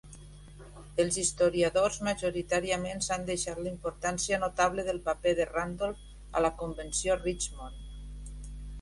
Els historiadors majoritàriament s'han deixat la importància notable del paper de Randolph a la convenció Richmond.